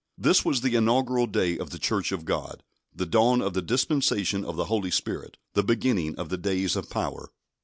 This was the inaugural day of the Church of God: the dawn of the dispensation of the Holy Spirit; the beginning of the days of power.